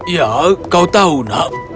ya kau tahu nak